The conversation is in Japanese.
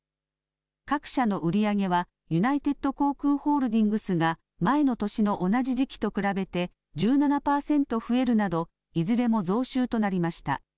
各社の売り上げはユナイテッド航空ホールディングスが前の年の同じ時期と比べて１７％増えるなどいずれも増収となりました。